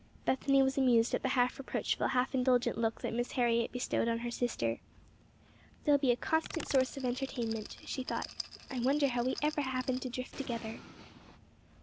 Bethany was amused at the half reproachful, half indulgent look that Miss Harriet bestowed on her sister. "They'll be a constant source of entertainment," she thought. "I wonder how we ever happened to drift together."